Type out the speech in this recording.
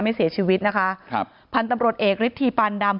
ไม่เสียชีวิตนะคะครับพันธุ์ตำรวจเอกฤทธีปานดำ